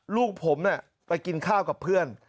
ลูกผมไปกินข้าวกับเพื่อน